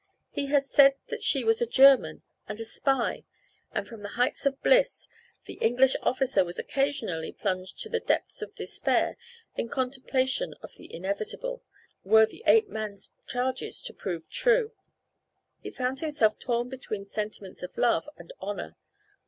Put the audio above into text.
He had said that she was a German, and a spy, and from the heights of bliss the English officer was occasionally plunged to the depths of despair in contemplation of the inevitable, were the ape man's charges to prove true. He found himself torn between sentiments of love and honor.